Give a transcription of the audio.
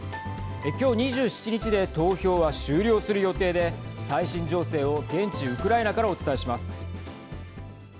今日２７日で投票は終了する予定で最新情勢を現地ウクライナからお伝えします。